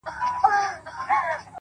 زما د زړه په هغه شين اسمان كي-